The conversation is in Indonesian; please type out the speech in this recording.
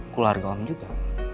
keluarga om juga